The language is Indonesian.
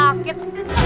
wah gak jahit